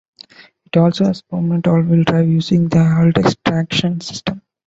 It also has permanent all-wheel drive using the Haldex Traction system.